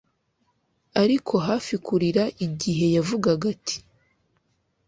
Ariko hafi kurira igihe yavugaga ati